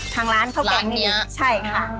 ทางร้านข้าวแกงนี่ใช่ค่ะ